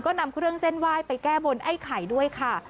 ก็นำเครื่องเส้นไหว้ไปแก้บนไอ้ไข่ด้วยค่ะ